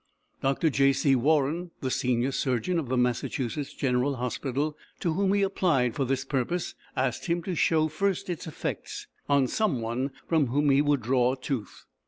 Dr. J. C. Warren, the senior Surgeon of the Massachusetts General Hospital, to whom he applied for this purpose, asked him to show first its effects on some one from whom he would draw a tooth.